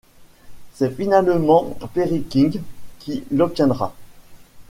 C'est finalement Perry King qui l'obtiendra.